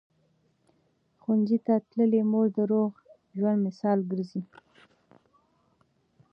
ښوونځې تللې مور د روغ ژوند مثال ګرځي.